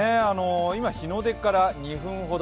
今、日の出から２分ほど。